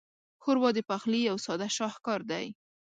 ښوروا د پخلي یو ساده شاهکار دی.